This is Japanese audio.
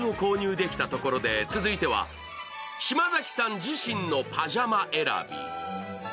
島崎さん自身のパジャマ選び。